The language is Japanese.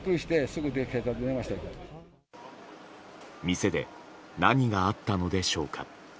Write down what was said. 店で何があったのでしょうか。